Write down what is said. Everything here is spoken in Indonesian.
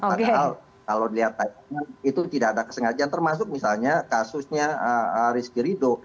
padahal kalau dilihat tadi itu tidak ada kesengajaan termasuk misalnya kasusnya rizky ridho